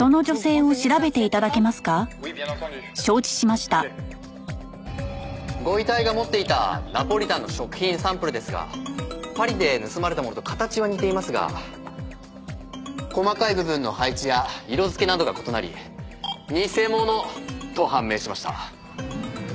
「オーケー」ご遺体が持っていたナポリタンの食品サンプルですがパリで盗まれたものと形は似ていますが細かい部分の配置や色付けなどが異なり偽物と判明しました。